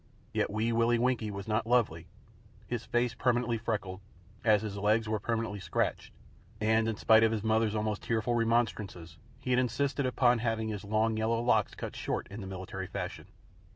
Yet Wee Willie Winkie was not lovely. His face was permanently freckled, as his legs were permanently scratched, and in spite of his mother's almost tearful remonstrances he had insisted upon having his long yellow locks cut short in the military fashion.